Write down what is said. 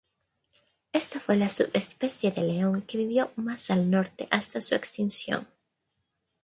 Esta fue la subespecie de león que vivió más al norte hasta su extinción.